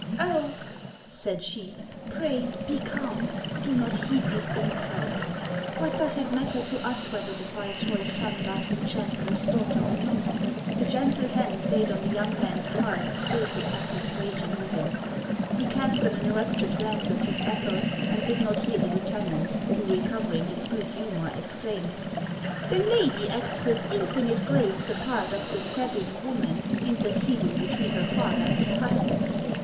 " Oh !" said she, " pray be calm ; do not heed these in sults. Wha,t does it matter to us whether the viceroy's son loves the chancellor's daughter or not?" The gentle hand laid on the young man's heart stilled HANS OF ICELAND. 107 the tempest raging within. He cast an enraptured glance at his Ethel, and did not hear the lieutenant, who, recov ering his good humor, exclaimed :" The lady acts with infinite grace the part of the Sabine woman interceding be tween her father and her husband.